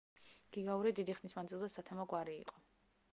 გიგაური დიდი ხნის მანძილზე სათემო გვარი იყო.